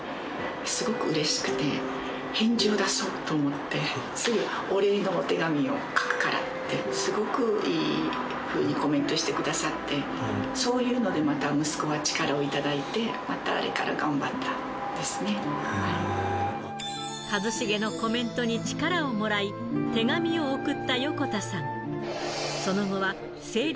すごくうれしくて、返事を出そうと思って、すぐお礼のお手紙を書くからって、すごくいいふうにコメントしてくださって、そういうのでまた息子が力をいただいて、またあれから頑張ったん一茂のコメントに力をもらい、手紙を送った横田さん。